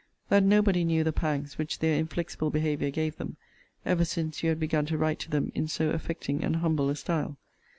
'That nobody knew the pangs which their inflexible behaviour gave them, ever since you had begun to write to them in so affecting and humble a style.